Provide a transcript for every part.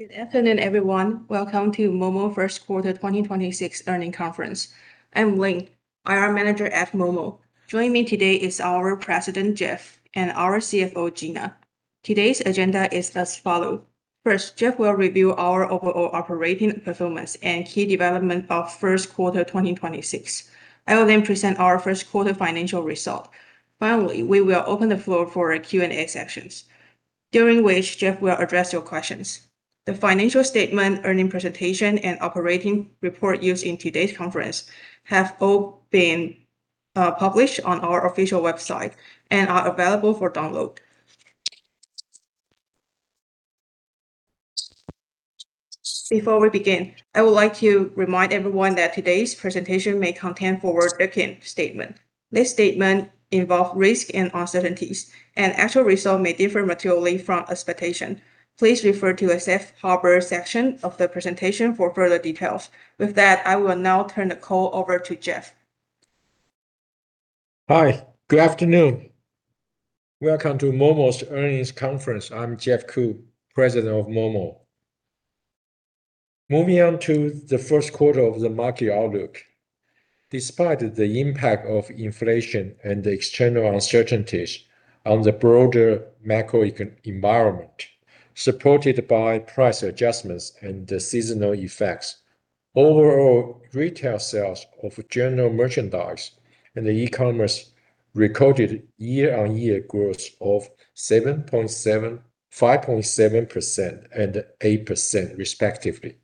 Good afternoon, everyone. Welcome to momo first quarter 2026 earnings conference. I'm Liu, IR Manager at momo. Joining me today is our president, Jeff, and our CFO, Gina. Today's agenda is as follow. First, Jeff will review our overall operating performance and key development of first quarter 2026. I will then present our first quarter financial result. Finally, we will open the floor for a Q&A sessions, during which Jeff will address your questions. The financial statement, earning presentation, and operating report used in today's conference have all been published on our official website and are available for download. Before we begin, I would like to remind everyone that today's presentation may contain forward-looking statement. This statement involve risk and uncertainties, and actual result may differ materially from expectation. Please refer to the safe harbor section of the presentation for further details. With that, I will now turn the call over to Jeff. Hi, good afternoon. Welcome to momo's earnings conference. I'm Jeff Ku, President of momo. Moving on to the first quarter of the market outlook. Despite the impact of inflation and the external uncertainties on the broader macro environment, supported by price adjustments and the seasonal effects, overall retail sales of general merchandise and the e-commerce recorded year-on-year growth of 5.7% and 8% respectively.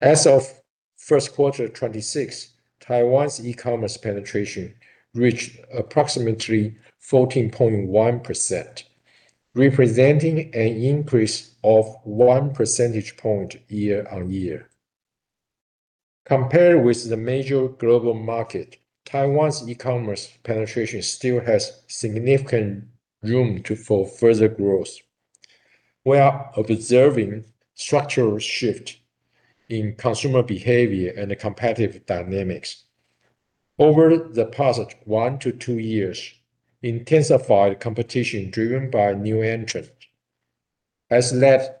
As of first quarter 2026, Taiwan's e-commerce penetration reached approximately 14.1%, representing an increase of 1 percentage point year-on-year. Compared with the major global market, Taiwan's e-commerce penetration still has significant room for further growth. We are observing structural shift in consumer behavior and competitive dynamics. Over the past one to years years, intensified competition driven by new entrants has led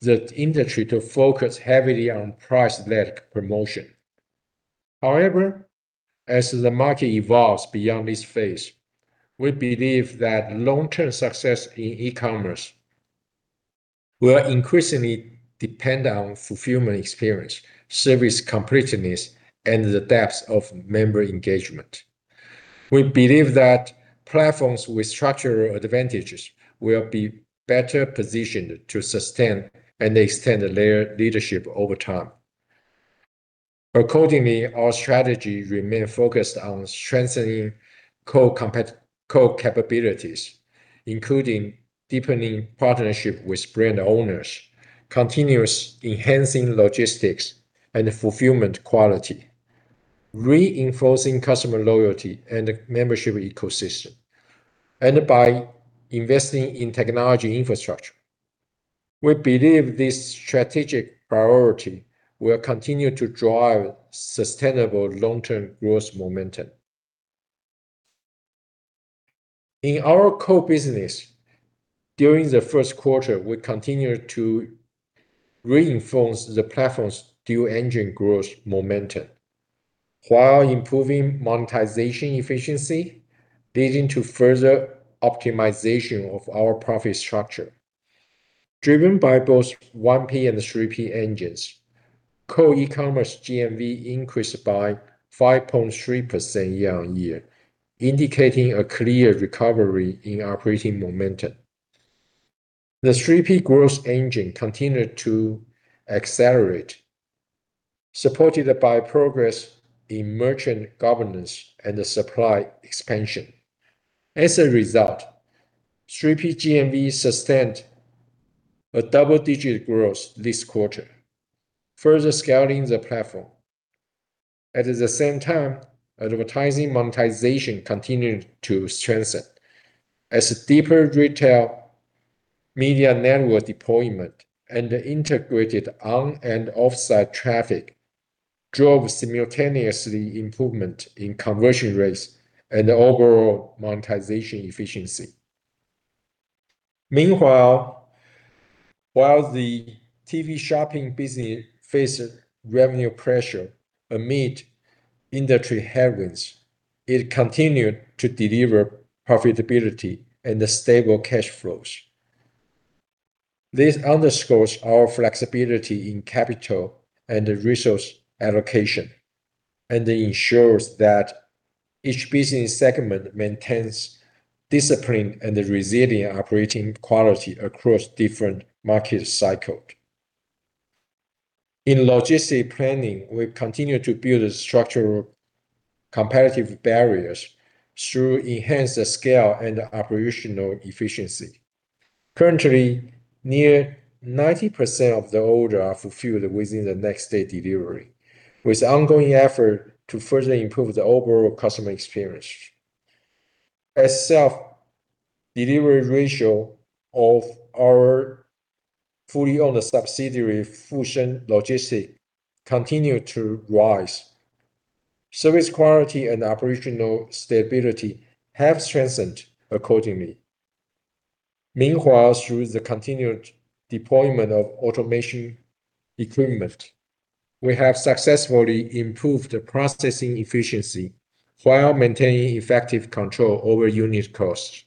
the industry to focus heavily on price-led promotion. However, as the market evolves beyond this phase, we believe that long-term success in e-commerce will increasingly depend on fulfillment experience, service completeness, and the depth of member engagement. We believe that platforms with structural advantages will be better positioned to sustain and extend their leadership over time. Accordingly, our strategy remain focused on strengthening core capabilities, including deepening partnership with brand owners, continuous enhancing logistics and fulfillment quality, reinforcing customer loyalty and membership ecosystem, and by investing in technology infrastructure. We believe this strategic priority will continue to drive sustainable long-term growth momentum. In our core business, during the first quarter, we continued to reinforce the platform's dual engine growth momentum while improving monetization efficiency, leading to further optimization of our profit structure. Driven by both 1P and 3P engines, core e-commerce GMV increased by 5.3% year-on-year, indicating a clear recovery in operating momentum. The 3P growth engine continued to accelerate, supported by progress in merchant governance and the supply expansion. As a result, 3P GMV sustained a double-digit growth this quarter, further scaling the platform. At the same time, advertising monetization continued to strengthen as deeper retail media network deployment and integrated on and offsite traffic drove simultaneously improvement in conversion rates and overall monetization efficiency. Meanwhile, while the TV shopping business faced revenue pressure amid industry headwinds, it continued to deliver profitability and stable cash flows. This underscores our flexibility in capital and resource allocation, and ensures that each business segment maintains discipline and resilient operating quality across different market cycle. In logistic planning, we continue to build structural competitive barriers through enhanced scale and operational efficiency. Currently, near 90% of the order are fulfilled within the next day delivery, with ongoing effort to further improve the overall customer experience. As self-delivery ratio of our fully owned subsidiary, Fusheng Logistics, continue to rise. Service quality and operational stability have strengthened accordingly. Meanwhile, through the continued deployment of automation equipment, we have successfully improved the processing efficiency while maintaining effective control over unit costs.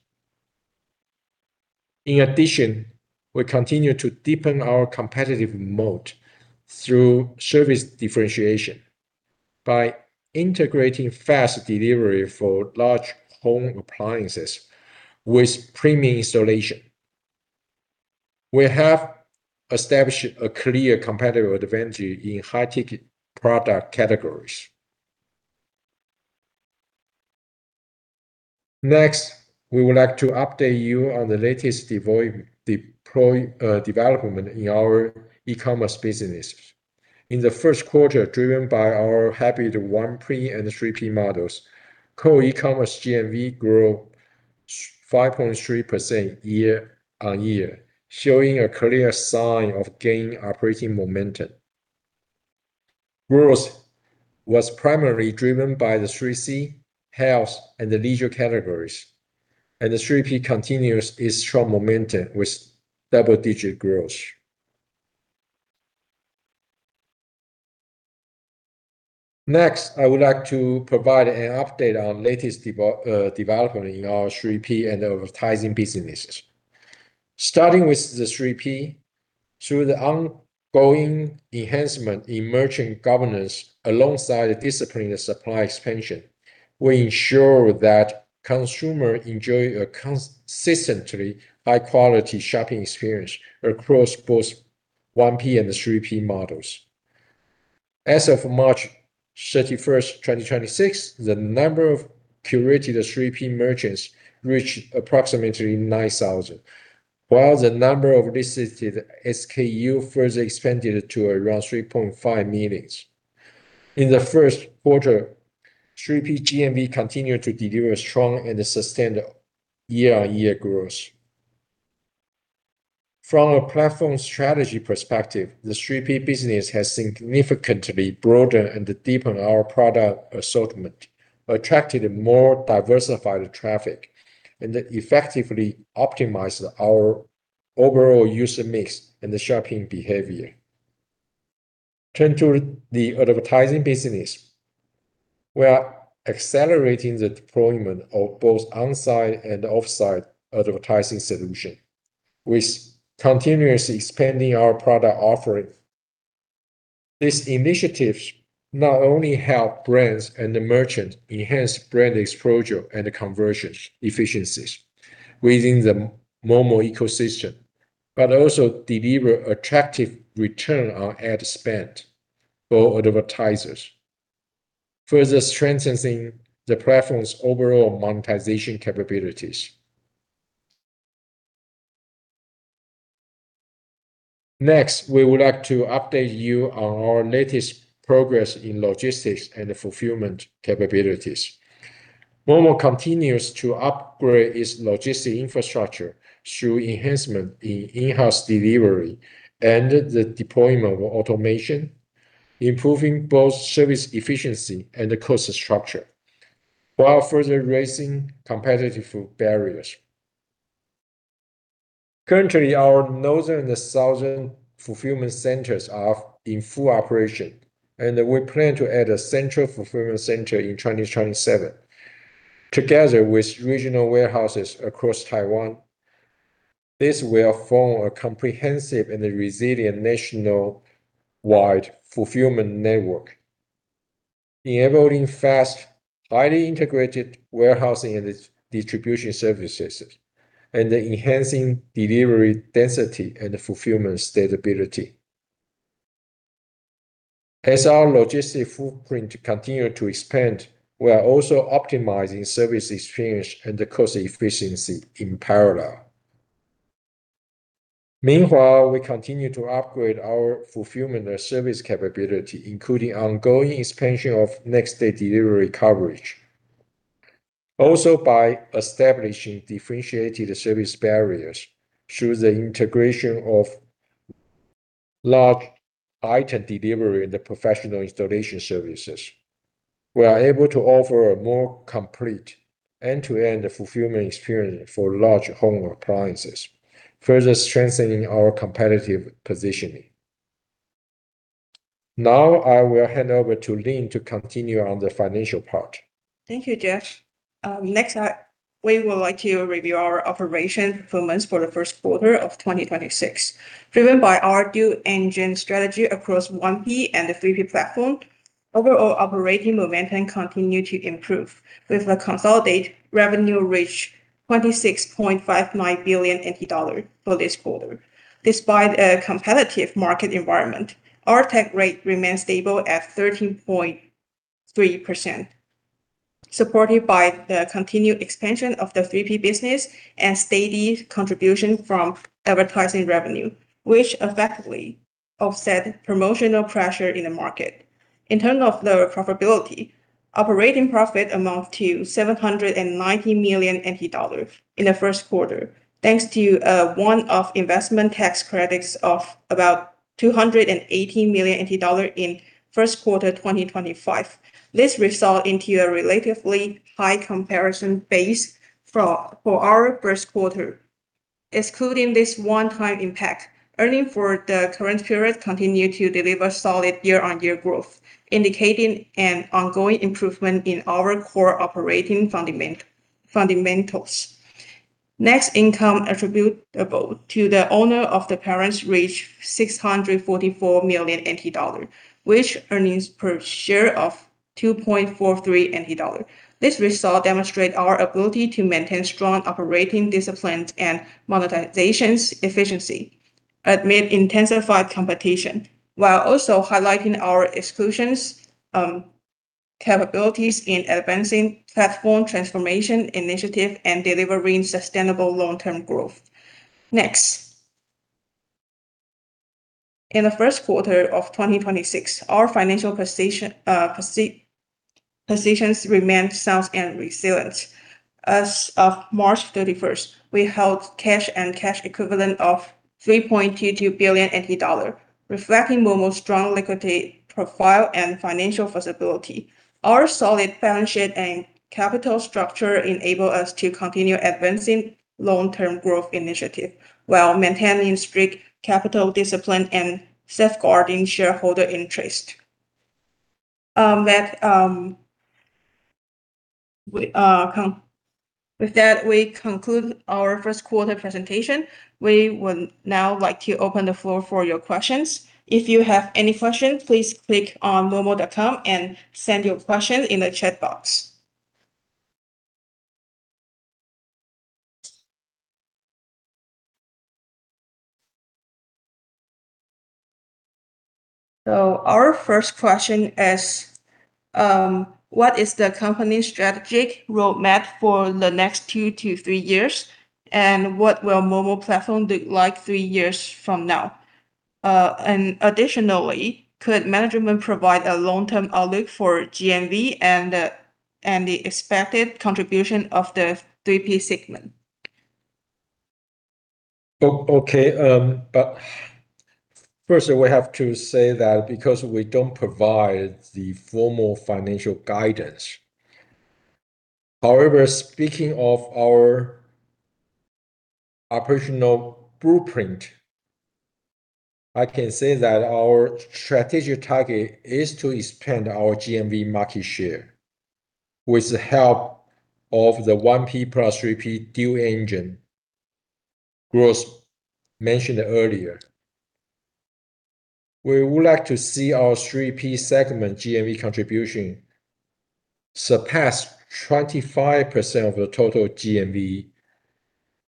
In addition, we continue to deepen our competitive mode through service differentiation by integrating fast delivery for large home appliances with premium installation. We have established a clear competitive advantage in high-ticket product categories. Next, we would like to update you on the latest development in our e-commerce business. In the first quarter, driven by our hybrid 1P and 3P models, core e-commerce GMV grew 5.3% year-on-year, showing a clear sign of gaining operating momentum. Growth was primarily driven by the 3C, health, and the leisure categories, and the 3P continues its strong momentum with double-digit growth. Next, I would like to provide an update on latest development in our 3P and advertising businesses. Starting with the 3P, through the ongoing enhancement in merchant governance alongside disciplined supply expansion, we ensure that consumer enjoy a consistently high-quality shopping experience across both 1P and 3P models. As of March 31st, 2026, the number of curated 3P merchants reached approximately 9,000, while the number of listed SKU further expanded to around 3.5 million. In the first quarter, 3P GMV continued to deliver strong and sustained year-on-year growth. From a platform strategy perspective, the 3P business has significantly broadened and deepened our product assortment, attracted more diversified traffic, and effectively optimized our overall user mix and the shopping behavior. Turning to the advertising business, we are accelerating the deployment of both on-site and off-site advertising solution, with continuously expanding our product offering. These initiatives not only help brands and the merchant enhance brand exposure and conversion efficiencies within the momo ecosystem, but also deliver attractive return on ad spend for advertisers, further strengthening the platform's overall monetization capabilities. Next, we would like to update you on our latest progress in logistics and fulfillment capabilities. momo continues to upgrade its logistic infrastructure through enhancement in in-house delivery and the deployment of automation, improving both service efficiency and the cost structure, while further raising competitive barriers. Currently, our northern and southern fulfillment centers are in full operation, and we plan to add a central fulfillment center in 2027. Together with regional warehouses across Taiwan, this will form a comprehensive and a resilient nationwide fulfillment network, enabling fast, highly integrated warehousing and distribution services, and enhancing delivery density and fulfillment stability. As our logistic footprint continue to expand, we are also optimizing service experience and the cost efficiency in parallel. Meanwhile, we continue to upgrade our fulfillment service capability, including ongoing expansion of next-day delivery coverage. Also, by establishing differentiated service barriers through the integration of large item delivery and the professional installation services, we are able to offer a more complete end-to-end fulfillment experience for large home appliances, further strengthening our competitive positioning. I will hand over to Liu to continue on the financial part. Thank you, Jeff. Next, we would like to review our operation performance for the first quarter of 2026. Driven by our dual engine strategy across 1P and the 3P platform, overall operating momentum continued to improve, with the consolidated revenue reached 26.59 billion NT dollar for this quarter. Despite a competitive market environment, our take rate remained stable at 13.3%, supported by the continued expansion of the 3P business and steady contribution from advertising revenue, which effectively offset promotional pressure in the market. In terms of the profitability, operating profit amount to 790 million in the first quarter, thanks to a one-off investment tax credits of about 218 million dollars in first quarter 2025. This result into a relatively high comparison base for our first quarter. Excluding this one-time impact, earnings for the current period continue to deliver solid year-on-year growth, indicating an ongoing improvement in our core operating fundamentals. Net income attributable to the owner of the parent reached 644 million NT dollar, with earnings per share of 2.43 million NT dollar. This result demonstrates our ability to maintain strong operating disciplines and monetization efficiency amid intensified competition, while also highlighting our execution capabilities in advancing platform transformation initiatives and delivering sustainable long-term growth. Next. In the first quarter of 2026, our financial positions remained sound and resilient. As of March 31st, we held cash and cash equivalent of 3.22 billion, reflecting momo's strong liquidity profile and financial flexibility. Our solid balance sheet and capital structure enable us to continue advancing long-term growth initiatives while maintaining strict capital discipline and safeguarding shareholder interests. With that, we conclude our first quarter presentation. We would now like to open the floor for your questions. If you have any question, please click on momo.com and send your question in the chat box. Our first question is, what is the company strategic roadmap for the next two to three years, and what will momo platform look like three years from now? And additionally, could management provide a long-term outlook for GMV and the expected contribution of the 3P segment? Okay. First, we have to say that because we don't provide the formal financial guidance. However, speaking of our operational blueprint, I can say that our strategic target is to expand our GMV market share with the help of the 1P plus 3P dual engine growth mentioned earlier. We would like to see our 3P segment GMV contribution surpass 25% of total GMV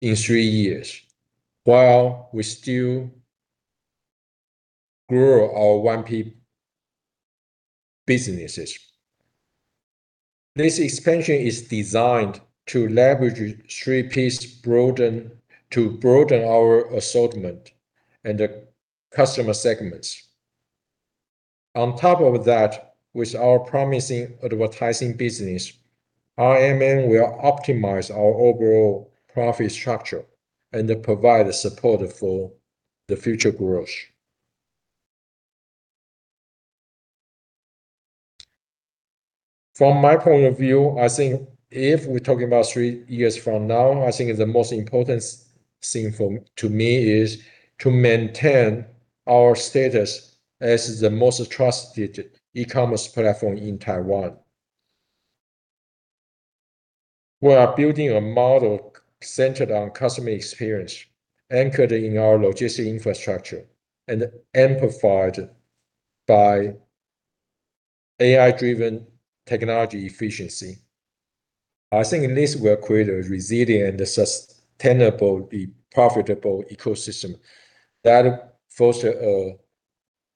in three years, while we still grow our 1P businesses. This expansion is designed to leverage 3Ps to broaden our assortment and the customer segments. On top of that, with our promising advertising business, our aim will optimize our overall profit structure and provide support for the future growth. From my point of view, I think if we're talking about three years from now, I think the most important thing for to me is to maintain our status as the most trusted e-commerce platform in Taiwan. We are building a model centered on customer experience, anchored in our logistics infrastructure, and amplified by AI-driven technology efficiency. I think this will create a resilient and sustainable, profitable ecosystem that foster a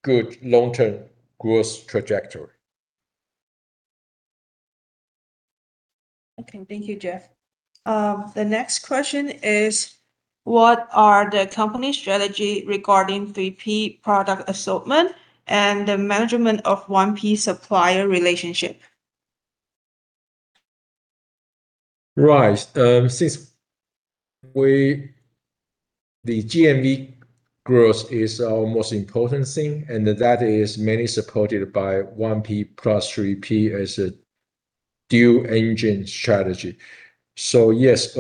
good long-term growth trajectory. Okay. Thank you, Jeff. The next question is, what are the company strategy regarding 3P product assortment and the management of 1P supplier relationship? Since the GMV growth is our most important thing, that is mainly supported by 1P plus 3P as a dual engine strategy. Yes,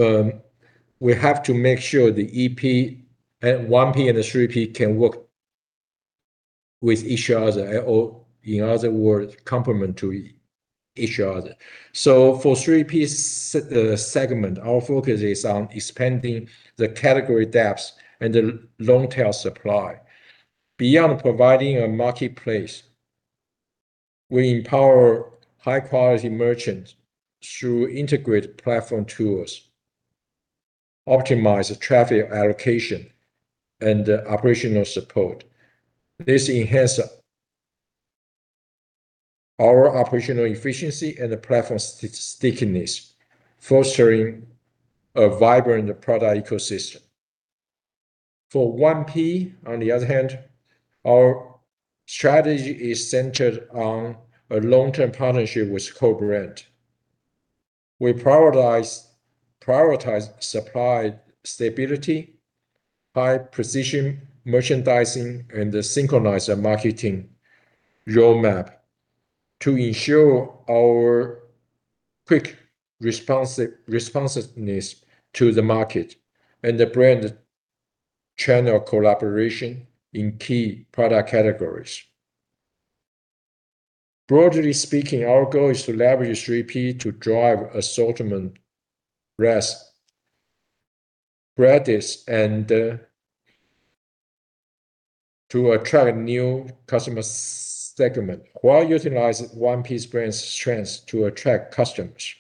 we have to make sure the 1P and the 3P can work with each other or in other words, complement to each other. For 3P segment, our focus is on expanding the category depth and the long tail supply. Beyond providing a marketplace, we empower high-quality merchants through integrated platform tools, optimize traffic allocation, and operational support. This enhance our operational efficiency and the platform stickiness, fostering a vibrant product ecosystem. For 1P, on the other hand, our strategy is centered on a long-term partnership with co-brand. We prioritize supply stability by precision merchandising and the synchronized marketing roadmap to ensure our quick responsiveness to the market and the brand channel collaboration in key product categories. Broadly speaking, our goal is to leverage 3P to drive assortment, breadth, and to attract new customer segment while utilizing 1P brand strengths to attract customers.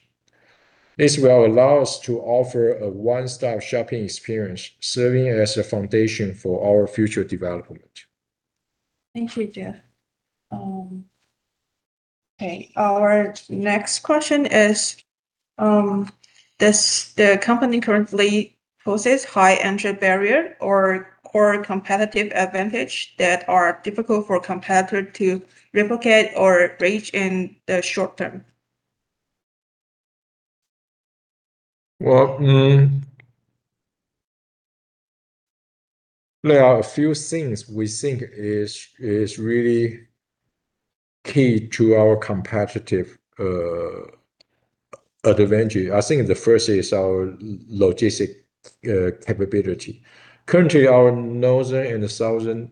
This will allow us to offer a one-stop shopping experience serving as a foundation for our future development. Thank you, Jeff. Okay. Our next question is, does the company currently possess high entry barrier or core competitive advantage that are difficult for competitor to replicate or breach in the short term? There are a few things we think is really key to our competitive advantage. I think the first is our logistic capability. Currently, our northern and southern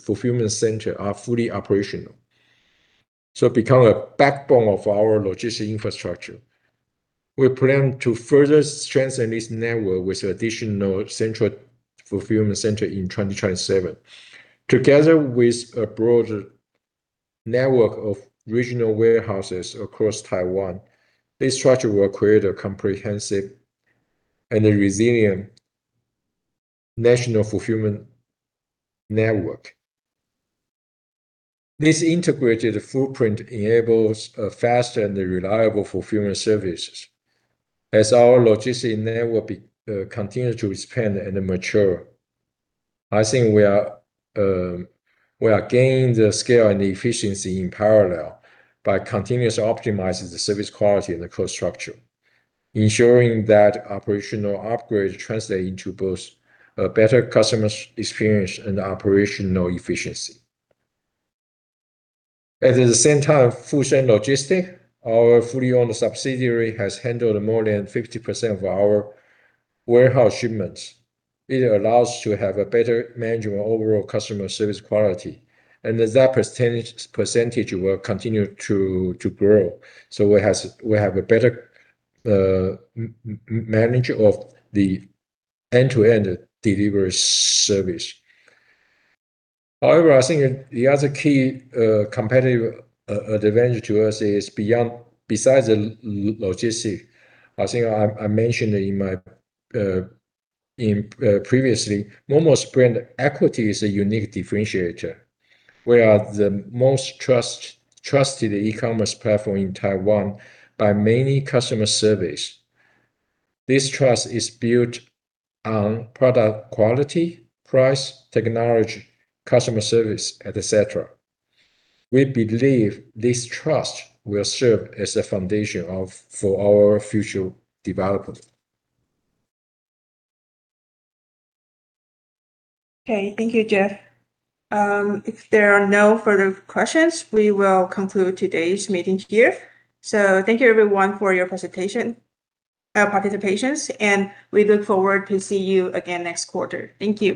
fulfillment center are fully operational, so become a backbone of our logistic infrastructure. We plan to further strengthen this network with additional central fulfillment center in 2027. Together with a broader network of regional warehouses across Taiwan, this structure will create a comprehensive and a resilient national fulfillment network. This integrated footprint enables a faster and reliable fulfillment services. As our logistic network continue to expand and mature, I think we are gaining the scale and efficiency in parallel by continuously optimizing the service quality and the cost structure, ensuring that operational upgrades translate into both a better customer experience and operational efficiency. At the same time, Fusheng Logistics, our fully owned subsidiary, has handled more than 50% of our warehouse shipments. It allows to have a better management overall customer service quality and that percentage will continue to grow so we have a better manager of the end-to-end delivery service. However, I think the other key competitive advantage to us is besides the logistic, I mentioned previously, momo.com's brand equity is a unique differentiator. We are the most trusted e-commerce platform in Taiwan by many customer service. This trust is built on product quality, price, technology, customer service, etc. We believe this trust will serve as a foundation for our future development. Thank you, Jeff. If there are no further questions, we will conclude today's meeting here. Thank you everyone for your presentation, participations, and we look forward to see you again next quarter. Thank you.